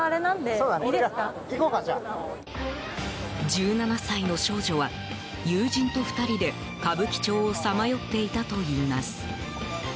１７歳の少女は友人と２人で歌舞伎町をさまよっていたといいます。